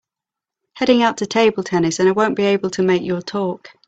Heading out to table tennis and I won’t be able to make your talk.